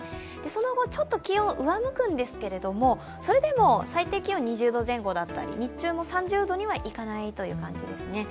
その後、ちょっと気温が上向くんですけれども、それでも最低気温２０度前後だったり、日中も３０度にはいかないという感じですね。